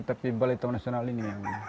tapi balai taman nasional ini